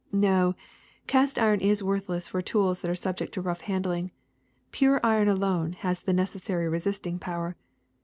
'' ^^No, cast iron is worthless for tools that are sub ject to rough handling; pure iron alone has the neces sary resisting power.